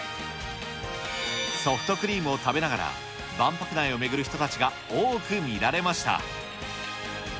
ソフトクリームを食べながら、万博内を巡る人たちが多く見られました。